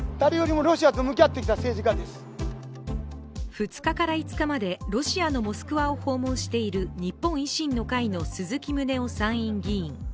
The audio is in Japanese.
２日から５日までロシアのモスクワを訪問している日本維新の会の鈴木宗男参院議員。